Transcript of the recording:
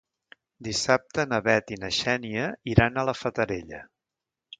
Dissabte na Bet i na Xènia iran a la Fatarella.